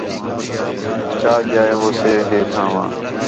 چا ڳِیا ہوسے ہے تھوں وا